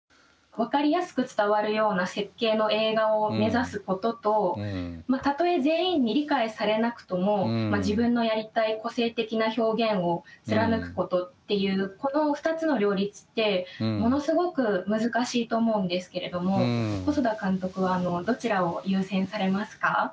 分かりやすく伝わるような設計の映画を目指すこととたとえ全員に理解されなくとも自分のやりたい個性的な表現を貫くことっていうこの２つの両立ってものすごく難しいと思うんですけれども細田監督はどちらを優先されますか？